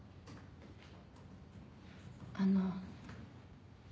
あの。